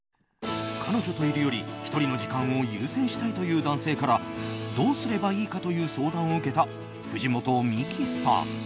彼女といるより１人の時間を優先したいという男性からどうすればいいか？という相談を受けた藤本美貴さん。